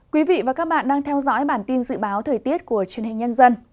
quý vị và các bạn đang theo dõi bản tin dự báo thời tiết của truyền hình nhân dân